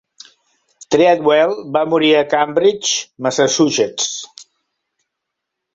Treadwell va morir a Cambridge, Massachusetts.